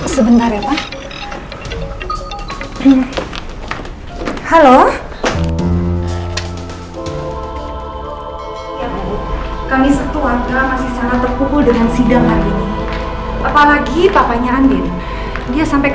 sebentar ya pak